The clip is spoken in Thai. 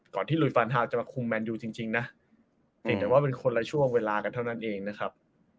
ก่อนที่ลุยฟานฮาลจะมาคุมแมนดิวจริงนะแต่ว่าเป็นคนละช่วงเวลากันเท่านั้นเองนะครับ